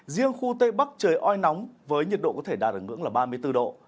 riêng khu tây bắc trời oi nóng với nhiệt độ có thể đạt ở ngưỡng ba mươi bốn độ